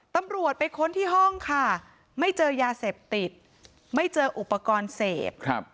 ตำรวจไปค้นที่ห้องค่ะไม่เจอยาเสพติดไม่เจออุปกรณ์เสพ